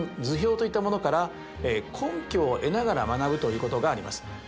図表といったものから根拠を得ながら学ぶということがあります。